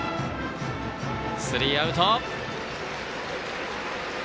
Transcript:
スリーアウト。